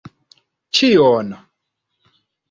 Ĉion!